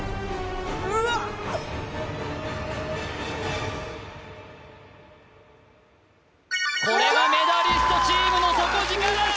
うわっこれがメダリストチームの底力！